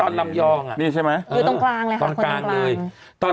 ลำยองอ่ะนี่ใช่ไหมอยู่ตรงกลางเลยค่ะตรงกลางเลยตอน